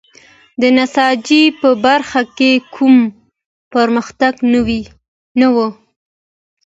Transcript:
د نساجۍ په برخه کې کوم پرمختګ نه و.